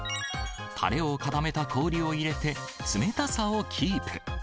たれを固めた氷を入れて、冷たさをキープ。